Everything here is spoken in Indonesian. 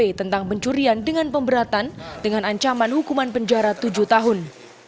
tentang pencurian dengan pemberatan dengan ancaman hukuman penjara tujuh tahun